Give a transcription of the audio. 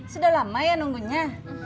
sudah lama ya nunggunya